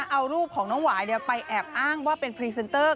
เอารูปของน้องหวายไปแอบอ้างว่าเป็นพรีเซนเตอร์